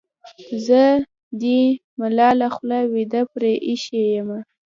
زه دې ملاله خوله وېده پرې اېښې یمه.